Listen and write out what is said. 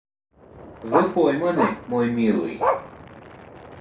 Вы пойманы, мой милый.